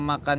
itu aku pake